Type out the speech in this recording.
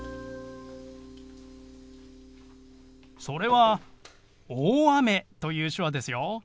それは「大雨」という手話ですよ。